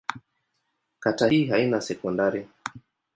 Kata hii haina sekondari.